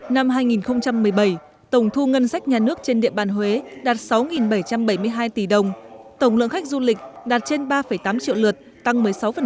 năm hai nghìn một mươi bảy tổng thu ngân sách nhà nước trên địa bàn huế đạt sáu bảy trăm bảy mươi hai tỷ đồng tổng lượng khách du lịch đạt trên ba tám triệu lượt tăng một mươi sáu